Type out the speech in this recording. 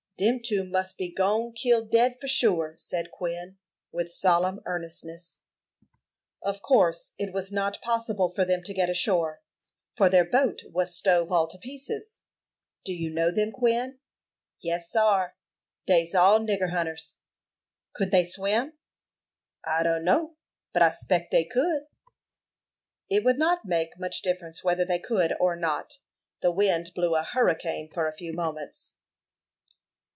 "Dem two mus be gone killed dead for sure," said Quin, with solemn earnestness. "Of course it was not possible for them to get ashore, for their boat was stove all to pieces. Do you know them, Quin?" "Yes, sar; dey's all nigger hunters." "Could they swim?" "I dunno; but I s'peck dey could." "It would not make much difference whether they could or not. The wind blew a hurricane for a few moments."